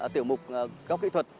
tiểu mục gốc kỹ thuật